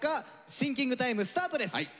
シンキングタイムスタートです。